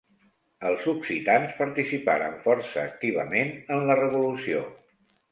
Els occitans participaren força activament en la Revolució.